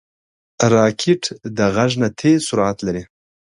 راکټ د غږ نه تېز سرعت لري